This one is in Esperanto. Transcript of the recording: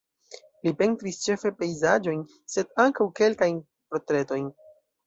Li pentris ĉefe pejzaĝojn sed ankaŭ kelkajn portretojn.